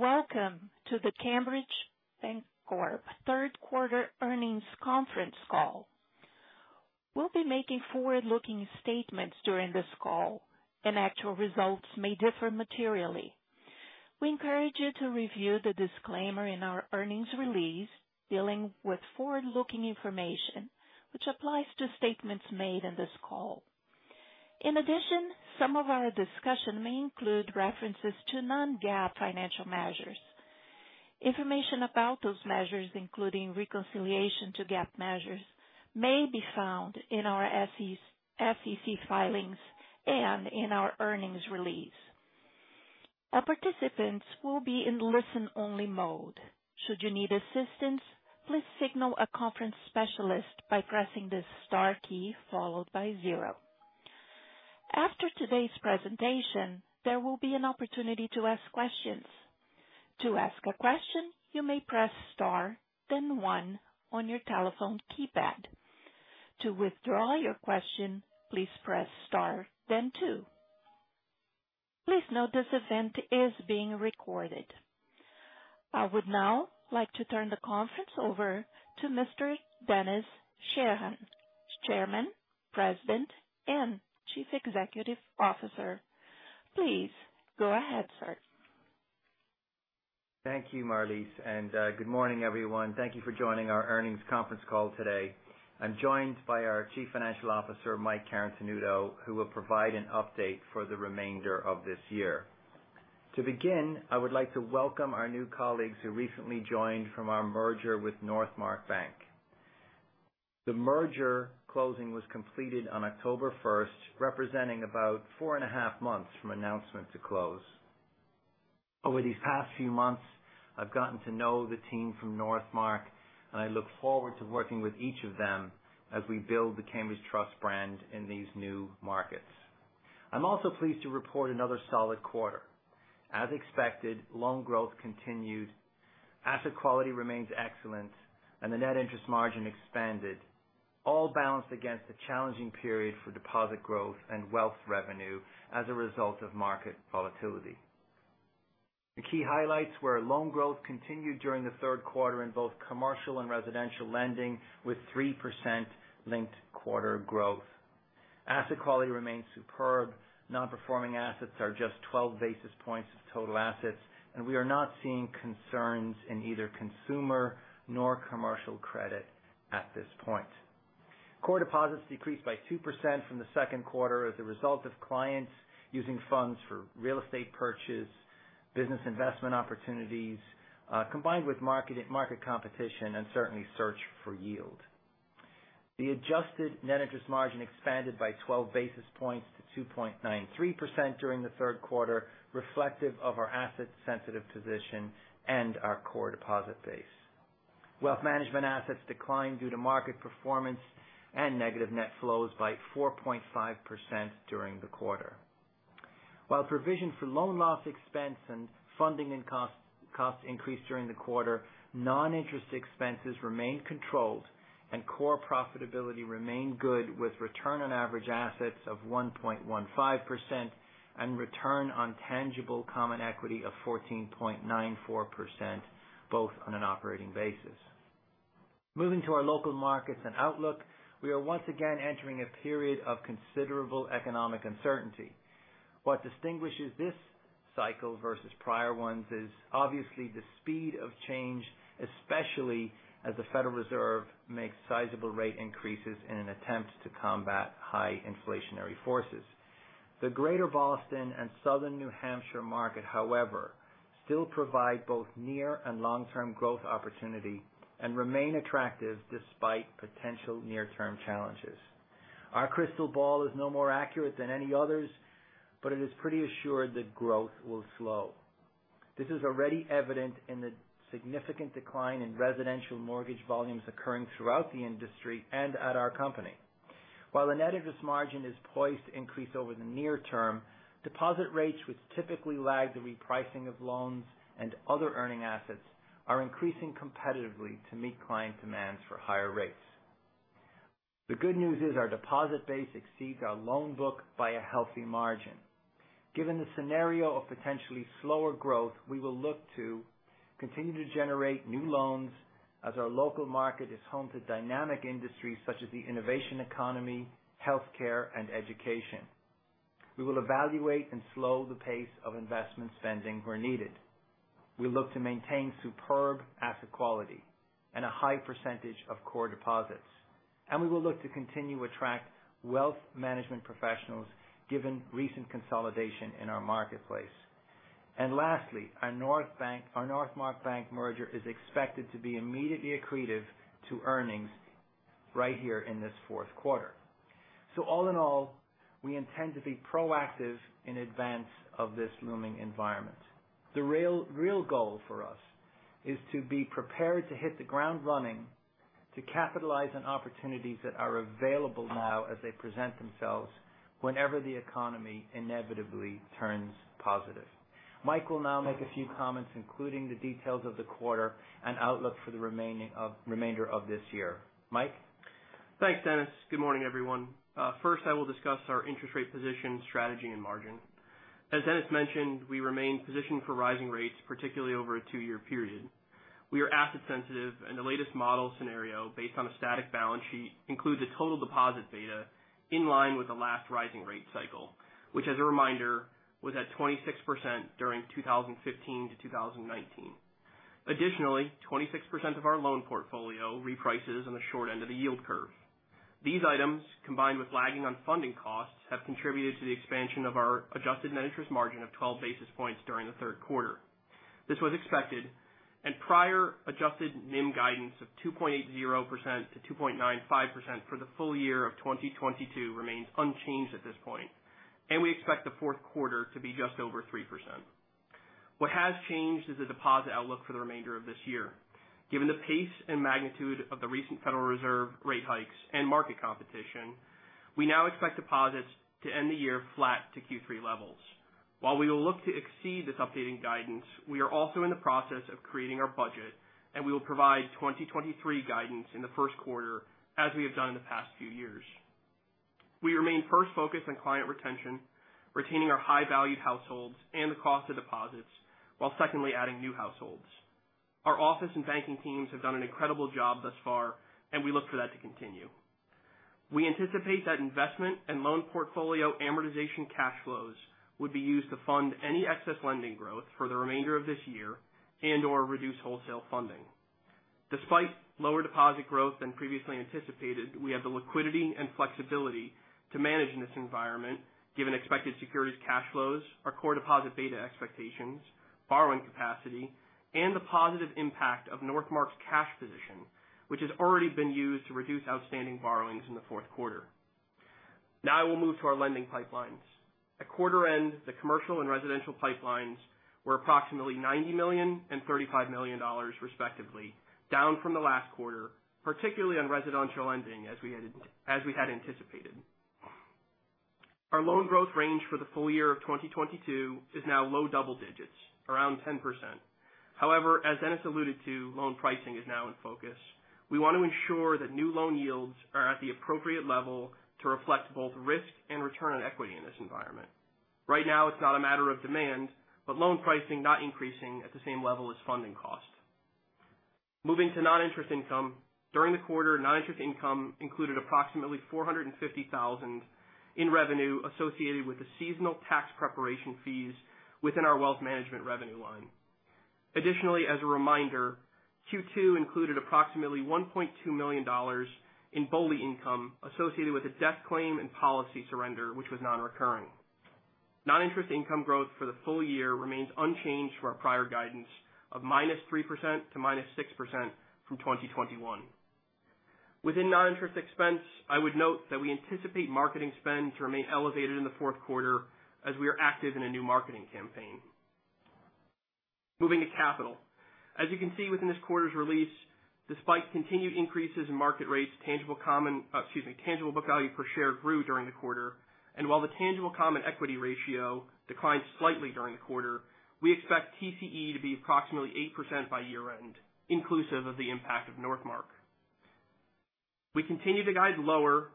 Welcome to the Cambridge Bancorp Third Quarter Earnings Conference Call. We'll be making forward-looking statements during this call, and actual results may differ materially. We encourage you to review the disclaimer in our earnings release dealing with forward-looking information, which applies to statements made in this call. In addition, some of our discussion may include references to non-GAAP financial measures. Information about those measures, including reconciliation to GAAP measures, may be found in our SEC filings and in our earnings release. Our participants will be in listen-only mode. Should you need assistance, please signal a conference specialist by pressing the star key followed by zero. After today's presentation, there will be an opportunity to ask questions. To ask a question, you may press star then one on your telephone keypad. To withdraw your question, please press star then two. Please note this event is being recorded. I would now like to turn the conference over to Mr. Denis Sheahan, Chairman, President, and Chief Executive Officer. Please go ahead, sir. Thank you, Marlys, and good morning, everyone. Thank you for joining our earnings conference call today. I'm joined by our Chief Financial Officer, Mike Carotenuto, who will provide an update for the remainder of this year. To begin, I would like to welcome our new colleagues who recently joined from our merger with Northmark Bank. The merger closing was completed on October 1st, representing about four and a half months from announcement to close. Over these past few months, I've gotten to know the team from Northmark, and I look forward to working with each of them as we build the Cambridge Trust brand in these new markets. I'm also pleased to report another solid quarter. As expected, loan growth continued, asset quality remains excellent, and the net interest margin expanded, all balanced against a challenging period for deposit growth and wealth revenue as a result of market volatility. The key highlights were loan growth continued during the third quarter in both commercial and residential lending, with 3% linked quarter growth. Asset quality remains superb. Non-performing assets are just 12 basis points of total assets, and we are not seeing concerns in either consumer nor commercial credit at this point. Core deposits decreased by 2% from the second quarter as a result of clients using funds for real estate purchase, business investment opportunities, combined with market competition and certainly search for yield. The adjusted net interest margin expanded by 12 basis points to 2.93% during the third quarter, reflective of our asset-sensitive position and our core deposit base. Wealth management assets declined due to market performance and negative net flows by 4.5% during the quarter. While provision for loan losses and funding costs increased during the quarter, non-interest expenses remained controlled and core profitability remained good, with return on average assets of 1.15% and return on tangible common equity of 14.94%, both on an operating basis. Moving to our local markets and outlook, we are once again entering a period of considerable economic uncertainty. What distinguishes this cycle versus prior ones is obviously the speed of change, especially as the Federal Reserve makes sizable rate increases in an attempt to combat high inflationary forces. The Greater Boston and Southern New Hampshire market, however, still provide both near- and long-term growth opportunity and remain attractive despite potential near-term challenges. Our crystal ball is no more accurate than any others, but it is pretty assured that growth will slow. This is already evident in the significant decline in residential mortgage volumes occurring throughout the industry and at our company. While the net interest margin is poised to increase over the near term, deposit rates, which typically lag the repricing of loans and other earning assets, are increasing competitively to meet client demands for higher rates. The good news is our deposit base exceeds our loan book by a healthy margin. Given the scenario of potentially slower growth, we will look to continue to generate new loans as our local market is home to dynamic industries such as the innovation economy, healthcare, and education. We will evaluate and slow the pace of investment spending where needed. We look to maintain superb asset quality and a high percentage of core deposits. We will look to continue to attract wealth management professionals given recent consolidation in our marketplace. Lastly, our Northmark Bank merger is expected to be immediately accretive to earnings right here in this fourth quarter. All in all, we intend to be proactive in advance of this looming environment. The real goal for us is to be prepared to hit the ground running, to capitalize on opportunities that are available now as they present themselves whenever the economy inevitably turns positive. Mike will now make a few comments, including the details of the quarter and outlook for the remainder of this year. Mike? Thanks, Denis. Good morning, everyone. First, I will discuss our interest rate position, strategy and margin. As Denis mentioned, we remain positioned for rising rates, particularly over a two year period. We are asset sensitive, and the latest model scenario, based on a static balance sheet, includes a total deposit beta in line with the last rising rate cycle, which as a reminder, was at 26% during 2015 to 2019. Additionally, 26% of our loan portfolio reprices on the short end of the yield curve. These items, combined with lagging on funding costs, have contributed to the expansion of our adjusted net interest margin of 12 basis points during the third quarter. This was expected and prior adjusted NIM guidance of 2.80%-2.95% for the full year of 2022 remains unchanged at this point, and we expect the fourth quarter to be just over 3%. What has changed is the deposit outlook for the remainder of this year. Given the pace and magnitude of the recent Federal Reserve rate hikes and market competition, we now expect deposits to end the year flat to Q3 levels. While we will look to exceed this updating guidance, we are also in the process of creating our budget, and we will provide 2023 guidance in the first quarter as we have done in the past few years. We remain first focused on client retention, retaining our high valued households and the cost of deposits, while secondly adding new households. Our office and banking teams have done an incredible job thus far, and we look for that to continue. We anticipate that investment and loan portfolio amortization cash flows would be used to fund any excess lending growth for the remainder of this year and/or reduce wholesale funding. Despite lower deposit growth than previously anticipated, we have the liquidity and flexibility to manage in this environment given expected securities cash flows, our core deposit beta expectations, borrowing capacity, and the positive impact of Northmark Bank's cash position, which has already been used to reduce outstanding borrowings in the fourth quarter. Now I will move to our lending pipelines. At quarter end, the commercial and residential pipelines were approximately $90 million and $35 million respectively, down from the last quarter, particularly on residential lending as we had anticipated. Our loan growth range for the full year of 2022 is now low double digits, around 10%. However, as Denis alluded to, loan pricing is now in focus. We want to ensure that new loan yields are at the appropriate level to reflect both risk and return on equity in this environment. Right now it's not a matter of demand, but loan pricing not increasing at the same level as funding cost. Moving to non-interest income. During the quarter, non-interest income included approximately $450,000 in revenue associated with the seasonal tax preparation fees within our wealth management revenue line. Additionally, as a reminder, Q2 included approximately $1.2 million in BOLI income associated with a death claim and policy surrender which was non-recurring. Non-interest income growth for the full year remains unchanged from our prior guidance of -3% to -6% from 2021. Within non-interest expense, I would note that we anticipate marketing spend to remain elevated in the fourth quarter as we are active in a new marketing campaign. Moving to capital. As you can see within this quarter's release, despite continued increases in market rates, tangible book value per share grew during the quarter. While the tangible common equity ratio declined slightly during the quarter, we expect TCE to be approximately 8% by year-end, inclusive of the impact of Northmark. We continue to guide to the lower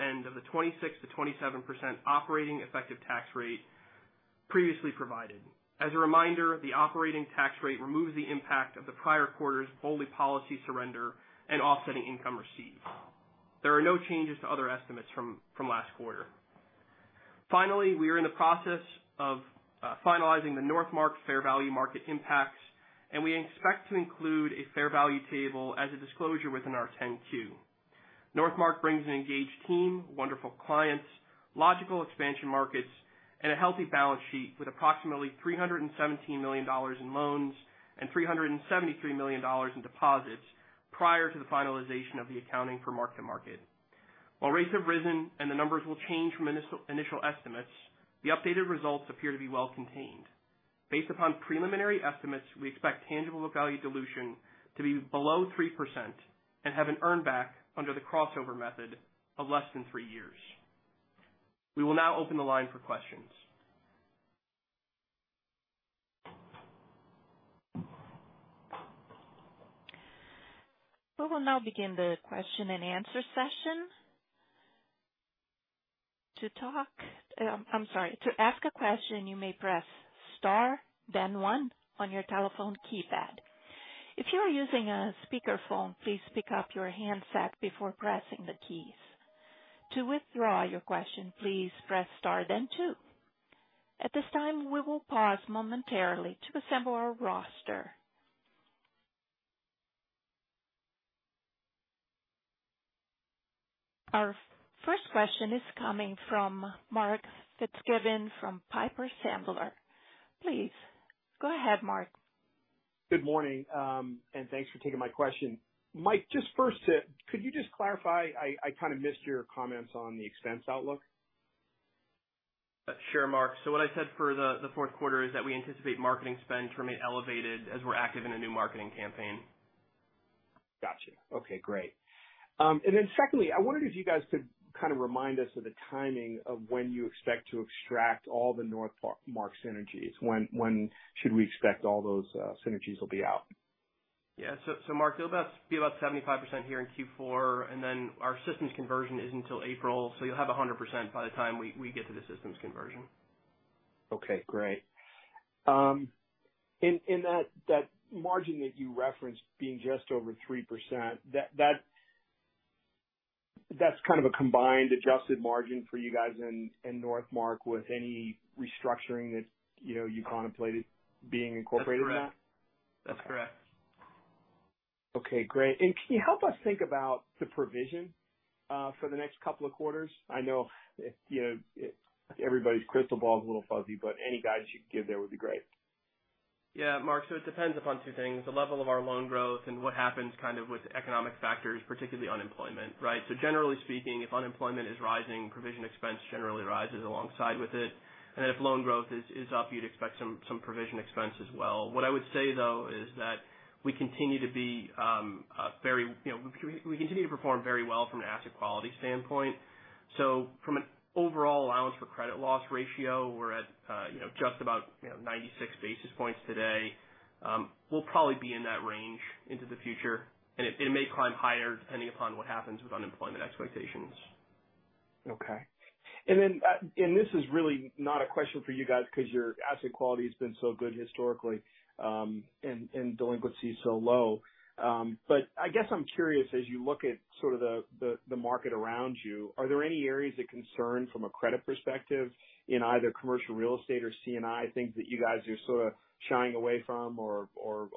end of the 26%-27% operating effective tax rate previously provided. As a reminder, the operating tax rate removes the impact of the prior quarter's BOLI policy surrender and offsetting income received. There are no changes to other estimates from last quarter. Finally, we are in the process of finalizing the Northmark fair value market impacts, and we expect to include a fair value table as a disclosure within our 10-Q. Northmark brings an engaged team, wonderful clients, logical expansion markets, and a healthy balance sheet with approximately $317 million in loans and $373 million in deposits prior to the finalization of the accounting for mark-to-market. While rates have risen and the numbers will change from initial estimates, the updated results appear to be well contained. Based upon preliminary estimates, we expect tangible book value dilution to be below 3% and have an earn back under the crossover method of less than three years. We will now open the line for questions. We will now begin the question and answer session. To talk, I am sorry. To Ask a question, you may press Star, then one on your telephone keypad. If you are using a speaker phone, please pick up your handset before pressing the keys. To withdraw your question, please press Star then two. At this time, we will pause momentarily to assemble our roster. Our first question is coming from Mark Fitzgibbon from Piper Sandler. Please go ahead, Mark. Good morning, and thanks for taking my question. Mike, just first, could you just clarify, I kind of missed your comments on the expense outlook. Sure, Mark. What I said for the fourth quarter is that we anticipate marketing spend to remain elevated as we're active in a new marketing campaign. Gotcha. Okay, great. Secondly, I wondered if you guys could kind of remind us of the timing of when you expect to extract all the Northmark synergies. When should we expect all those synergies will be out? Yeah. Mark, it'll be about 75% here in Q4, and then our systems conversion isn't until April, so you'll have 100% by the time we get to the systems conversion. Okay, great. In that margin that you referenced being just over 3%, that's kind of a combined adjusted margin for you guys in Northmark with any restructuring that you know you contemplated being incorporated in that? That's correct. Okay, great. Can you help us think about the provision for the next couple of quarters? I know, you know, everybody's crystal ball is a little fuzzy, but any guidance you can give there would be great. Yeah, Mark. It depends upon two things, the level of our loan growth and what happens kind of with economic factors, particularly unemployment, right? Generally speaking, if unemployment is rising, provision expense generally rises alongside with it. If loan growth is up, you'd expect some provision expense as well. What I would say, though, is that we continue to be very, you know, we continue to perform very well from an asset quality standpoint. From an overall allowance for credit losses ratio, we're at, you know, just about, you know, 96 basis points today. We'll probably be in that range into the future, and it may climb higher depending upon what happens with unemployment expectations. Okay. This is really not a question for you guys because your asset quality has been so good historically, and delinquency is so low. I guess I'm curious, as you look at sort of the market around you, are there any areas of concern from a credit perspective in either commercial real estate or C&I, things that you guys are sort of shying away from or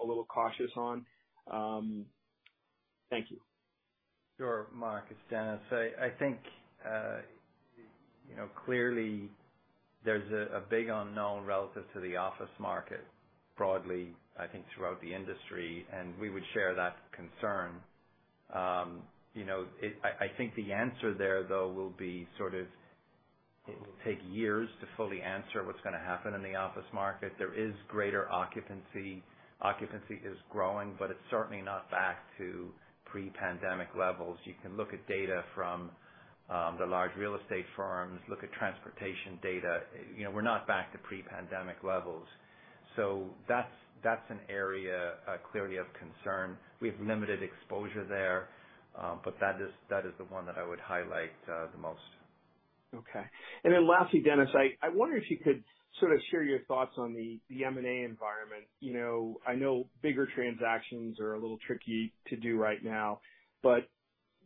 a little cautious on? Thank you. Sure, Mark. It's Denis. I think you know, clearly there's a big unknown relative to the office market broadly, I think, throughout the industry, and we would share that concern. You know, I think the answer there, though, will be sort of it will take years to fully answer what's going to happen in the office market. There is greater occupancy. Occupancy is growing, but it's certainly not back to pre-pandemic levels. You can look at data from the large real estate firms, look at transportation data. You know, we're not back to pre-pandemic levels. So that's an area clearly of concern. We have limited exposure there, but that is the one that I would highlight the most. Okay. Lastly, Denis, I wonder if you could sort of share your thoughts on the M&A environment. You know, I know bigger transactions are a little tricky to do right now, but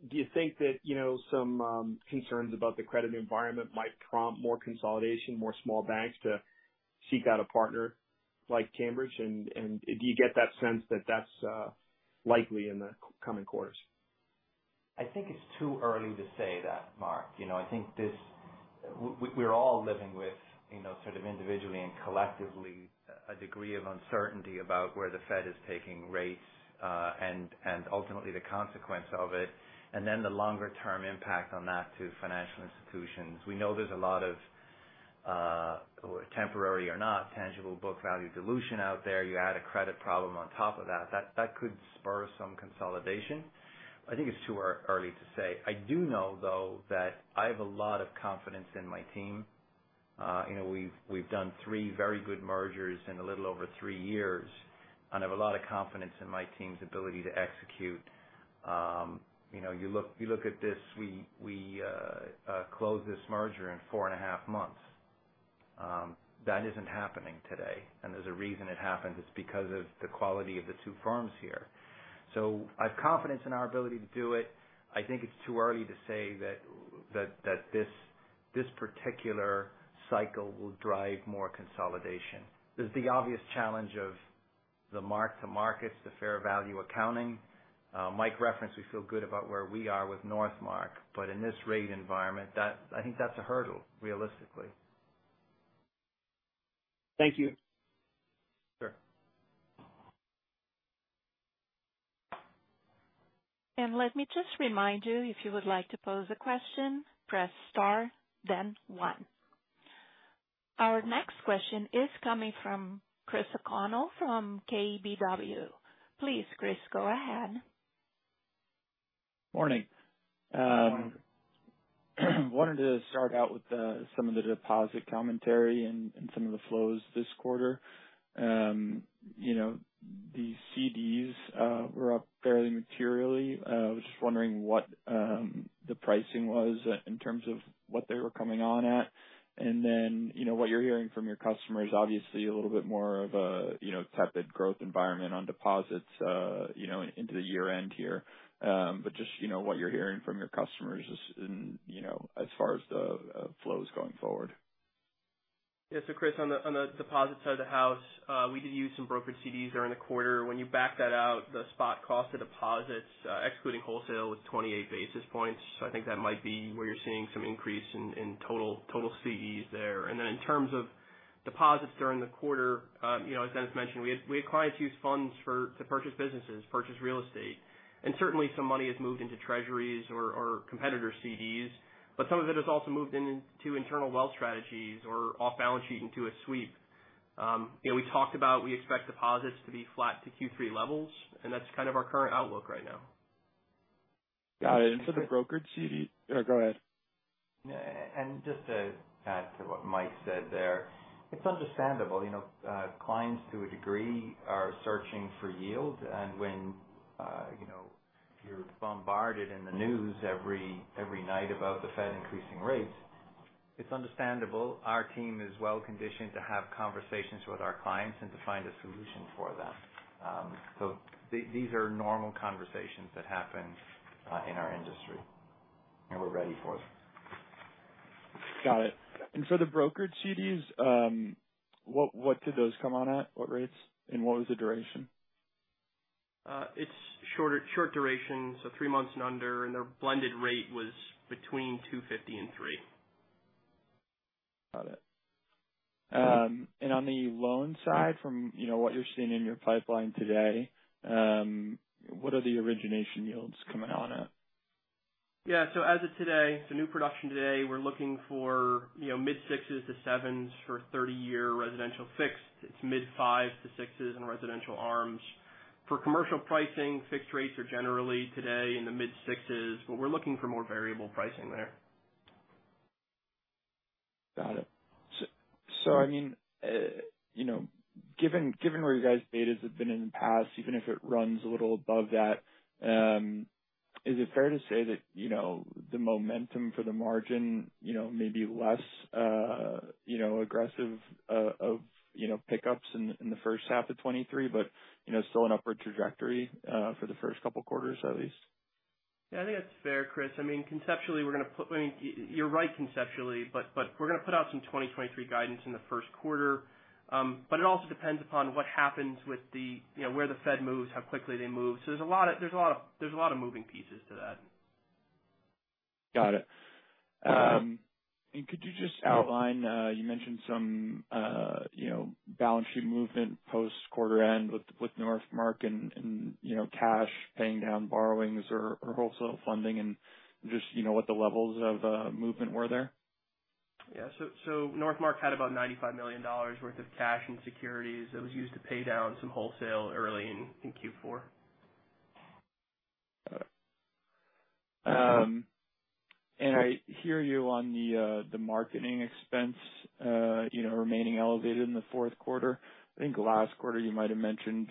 do you think that, you know, some concerns about the credit environment might prompt more consolidation, more small banks to seek out a partner like Cambridge? Do you get that sense that that's likely in the coming quarters? I think it's too early to say that, Mark. You know, I think this. We're all living with, you know, sort of individually and collectively a degree of uncertainty about where the Fed is taking rates, and ultimately the consequence of it, and then the longer term impact on that to financial institutions. We know there's a lot of temporary or not tangible book value dilution out there. You add a credit problem on top of that could spur some consolidation. I think it's too early to say. I do know, though, that I have a lot of confidence in my team. You know, we've done three very good mergers in a little over three years. I have a lot of confidence in my team's ability to execute. You know, you look at this, we closed this merger in four and a half months. That isn't happening today. There's a reason it happened. It's because of the quality of the two firms here. I have confidence in our ability to do it. I think it's too early to say that this particular cycle will drive more consolidation. There's the obvious challenge of the mark-to-markets, the fair value accounting. Mike referenced we feel good about where we are with Northmark, but in this rate environment, that. I think that's a hurdle, realistically. Thank you. Sure. Let me just remind you, if you would like to pose a question, press star then one. Our next question is coming from Chris O'Connell from KBW. Please, Chris, go ahead. Morning. Good morning. Wanted to start out with some of the deposit commentary and some of the flows this quarter. You know, the CDs were up fairly materially. I was just wondering what the pricing was in terms of what they were coming on at. Then, you know, what you're hearing from your customers, obviously a little bit more of a you know, tepid growth environment on deposits, you know, into the year-end here. Just, you know, what you're hearing from your customers is in, you know, as far as the flows going forward. Yeah. Chris, on the deposit side of the house, we did use some brokered CDs during the quarter. When you back that out, the spot cost of deposits, excluding wholesale was 28 basis points. I think that might be where you're seeing some increase in total CDs there. In terms of deposits during the quarter, you know, as Denis mentioned, we had clients use funds to purchase businesses, purchase real estate. Certainly some money has moved into treasuries or competitor CDs, but some of it has also moved into internal wealth strategies or off balance sheet into a sweep. You know, we talked about we expect deposits to be flat to Q3 levels, and that's kind of our current outlook right now. Got it. For the Brokered CD. Yeah, go ahead. Just to add to what Mike said there, it's understandable. You know, clients to a degree are searching for yield. When you know, you're bombarded in the news every night about the Fed increasing rates, it's understandable. Our team is well-conditioned to have conversations with our clients and to find a solution for them. These are normal conversations that happen in our industry, and we're ready for them. Got it. For the brokered CDs, what did those come on at, what rates, and what was the duration? It's shorter, short duration, so three months and under. Their blended rate was between 2.50% and 3%. Got it. On the loan side from, you know, what you're seeing in your pipeline today, what are the origination yields coming out at? Yeah. As of today, so new production today, we're looking for, you know, mid 6% to 7% for 30 year residential fixed. It's mid 5% to 6% in residential ARMs. For commercial pricing, fixed rates are generally today in the mid 6%, but we're looking for more variable pricing there. Got it. I mean, you know, given where you guys' betas have been in the past, even if it runs a little above that, is it fair to say that, you know, the momentum for the margin, you know, may be less, you know, aggressive, of, you know, pickups in the first half of 2023, but, you know, still an upward trajectory, for the first couple quarters at least? Yeah, I think that's fair, Chris. I mean, you're right conceptually, but we're gonna put out some 2023 guidance in the first quarter. It also depends upon what happens with the, you know, where the Fed moves, how quickly they move. There's a lot of moving pieces to that. Got it. Could you just outline, you mentioned some, you know, balance sheet movement post-quarter end with Northmark and, you know, cash paying down borrowings or wholesale funding and just, you know, what the levels of movement were there? Northmark had about $95 million worth of cash and securities that was used to pay down some wholesale early in Q4. Got it. I hear you on the marketing expense, you know, remaining elevated in the fourth quarter. I think last quarter you might have mentioned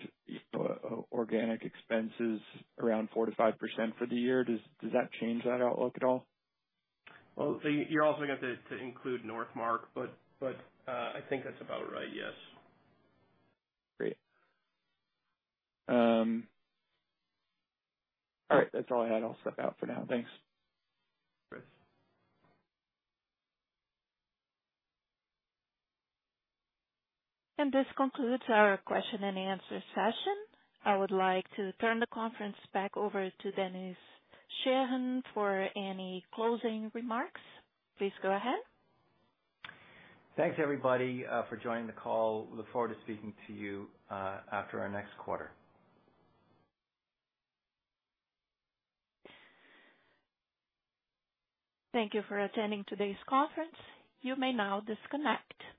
organic expense is around 4%-5% for the year. Does that change that outlook at all? You're also going to include Northmark, but I think that's about right, yes. Great. All right. That's all I had. I'll step out for now. Thanks. Thanks. This concludes our question and answer session. I would like to turn the conference back over to Denis Sheahan for any closing remarks. Please go ahead. Thanks everybody, for joining the call. Look forward to speaking to you, after our next quarter. Thank you for attending today's conference. You may now disconnect.